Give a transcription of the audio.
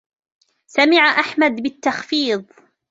سمع احمد بالتخفيض